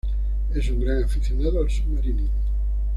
Es un gran aficionado al submarinismo.